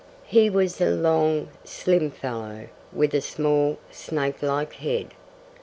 He was a long, slim fellow, with a small, snake like head.